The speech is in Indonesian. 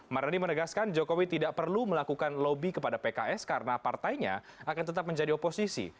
mardi menegaskan jokowi tidak perlu melakukan lobby kepada pks karena partainya akan tetap menjadi oposisi